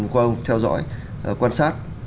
qua ông theo dõi quan sát